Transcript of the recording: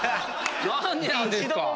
⁉何でなんですか？